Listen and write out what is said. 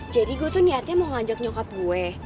jadi gue tuh niatnya mau ngajak nyokap gue